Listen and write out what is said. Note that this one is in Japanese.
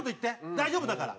大丈夫だから。